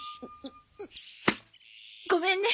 ごめんね。